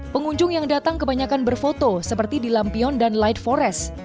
pengunjung yang datang kebanyakan berfoto seperti di lampion dan light forest